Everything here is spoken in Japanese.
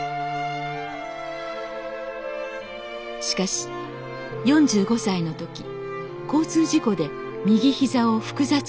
しかし４５歳の時交通事故で右膝を複雑骨折。